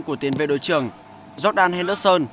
của tiến về đội trưởng jordan henderson